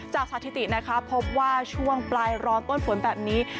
สถิตินะคะพบว่าช่วงปลายร้อนต้นฝนแบบนี้